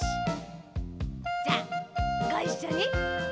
じゃあごいっしょに。